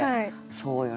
そうよね。